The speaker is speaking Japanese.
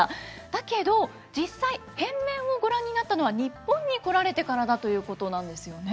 だけど実際変面をご覧になったのは日本に来られてからだということなんですよね。